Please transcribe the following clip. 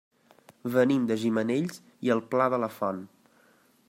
Venim de Gimenells i el Pla de la Font.